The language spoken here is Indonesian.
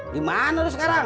dimana lu sekarang